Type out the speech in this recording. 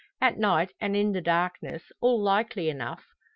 At night and in the darkness, all likely enough.